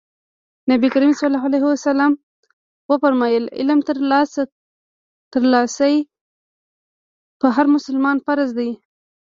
نبي کريم ص وفرمايل علم ترلاسی په هر مسلمان فرض دی.